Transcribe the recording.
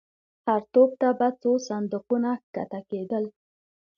هر توپ ته به څو صندوقونه کښته کېدل.